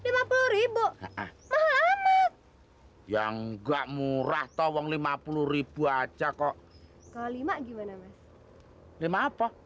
lima puluh mahal amat yang nggak murah tolong rp lima puluh aja kok kali mak gimana